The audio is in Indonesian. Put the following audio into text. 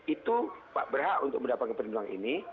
itu berhak untuk mendapatkan perlindungan ini